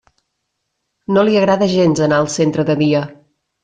No li agrada gens anar al centre de dia.